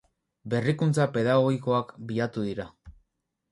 Berrikuntza Pedagogikoak bilatu dira.